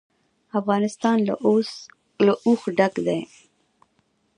افغانستان له اوښ ډک دی.